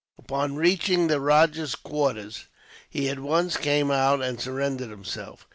Upon reaching the rajah's quarters, he at once came out and surrendered himself.